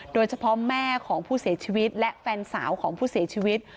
แม่ของผู้เสียชีวิตและแฟนสาวของผู้เสียชีวิต